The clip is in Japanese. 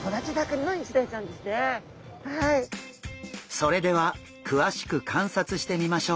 それではくわしく観察してみましょう！